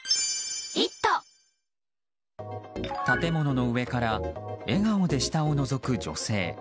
建物の上から笑顔で下をのぞく女性。